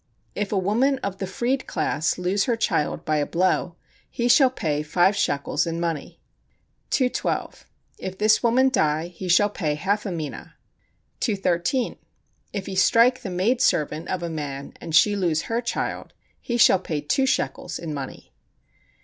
If a woman of the freed class lose her child by a blow, he shall pay five shekels in money. 212. If this woman die, he shall pay half a mina. 213. If he strike the maid servant of a man, and she lose her child, he shall pay two shekels in money.